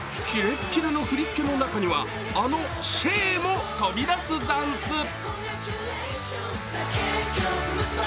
キレッキレの振り付けの中にはあの「シェー！」も飛び出すザンス！